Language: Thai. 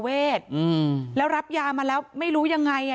อาการป่วยทางจิตเวทอืมแล้วรับยามาแล้วไม่รู้ยังไงอ่ะ